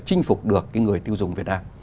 chinh phục được người tiêu dùng việt nam